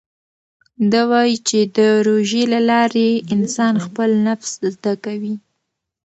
ده وايي چې د روژې له لارې انسان خپل نفس زده کوي.